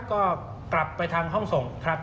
ก็กลับไปทางห้องส่งครับ